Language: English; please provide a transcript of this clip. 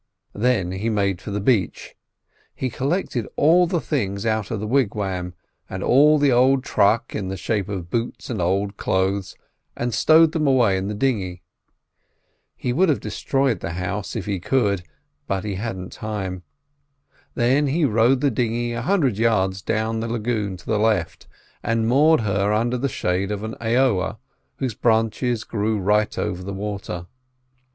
Then he made for the beach; he collected all the things out of the wigwam, and all the old truck in the shape of boots and old clothes, and stowed them away in the dinghy. He would have destroyed the house, if he could, but he hadn't time. Then he rowed the dinghy a hundred yards down the lagoon to the left, and moored her under the shade of an aoa, whose branches grew right over the water.